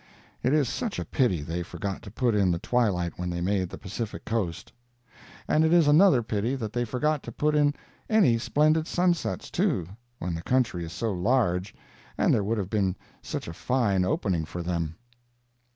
It is such a pity they forgot to put in the twilight when they made the Pacific Coast. And it is another pity that they forgot to put in any splendid sunsets, too, when the country is so large, and there would have been such a fine opening for them.